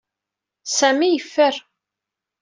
Sami yeffer.